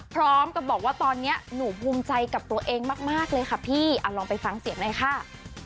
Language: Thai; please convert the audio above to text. พร้อมกับบอกว่าตอนนี้หนูภูมิใจกับตัวเองมากเลยค่ะพี่ลองไปฟังเสียงหน่อยค่ะ